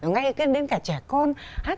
ngay đến cả trẻ con hát